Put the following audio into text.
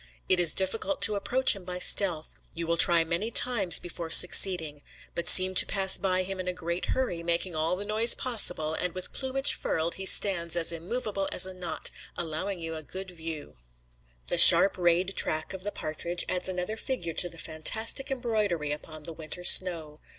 It is difficult to approach him by stealth; you will try many times before succeeding; but seem to pass by him in a great hurry, making all the noise possible, and with plumage furled he stands as immovable as a knot, allowing you a good view. The sharp rayed track of the partridge adds another figure to the fantastic embroidery upon the winter snow.